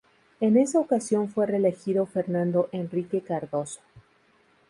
En esa ocasión fue reelegido Fernando Henrique Cardoso.